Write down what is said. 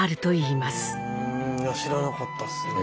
いや知らなかったですね。